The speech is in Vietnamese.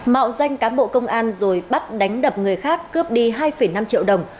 mạo danh cán bộ công an rồi bắt đánh đập người khác cướp đi hai năm triệu đồng